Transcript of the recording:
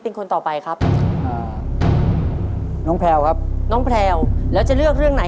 เป็นคนต่อไปครับอ่าน้องแพลวครับน้องแพลวแล้วจะเลือกเรื่องไหน